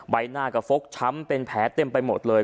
ใบหน้าก็ฟกช้ำเป็นแผลเต็มไปหมดเลย